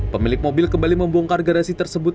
pemilik mobil kembali membongkar garasi tersebut